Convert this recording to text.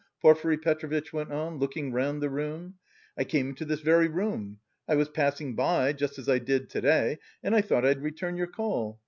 Porfiry Petrovitch went on, looking round the room. "I came into this very room. I was passing by, just as I did to day, and I thought I'd return your call.